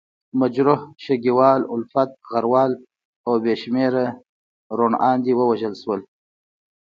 مجروح، شګیوال، الفت، غروال او بې شمېره روڼاندي ووژل شول.